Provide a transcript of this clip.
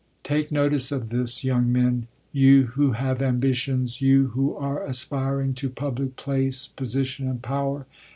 Take notice of this, young men, you who have ambitions, you who are aspiring to public place, position, and power.